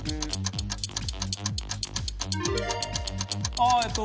あっえっと